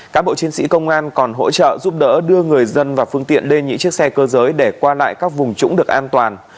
các bộ chiến sĩ công an còn hỗ trợ giúp đỡ đưa người dân và phương tiện lên những chiếc xe cơ giới để qua lại các vùng trũng được an toàn